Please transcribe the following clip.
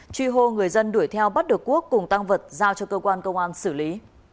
truy hô người dân đuổi theo bắt được quốc cùng tăng vật giao cho cơ quan công an xử lý